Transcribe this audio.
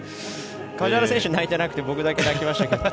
梶原選手泣いてなくて僕だけ泣きましたけど。